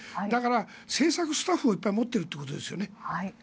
だから、制作スタッフをいっぱい持っているということですよね。